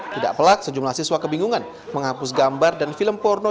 tidak pelak sejumlah siswa kebingungan menghapus gambar dan film porno